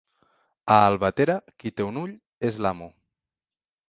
A Albatera qui té un ull és l'amo.